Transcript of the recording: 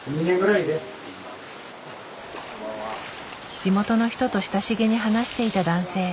地元の人と親しげに話していた男性。